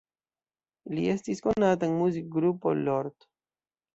Li estis konata en muzikgrupo "Lord".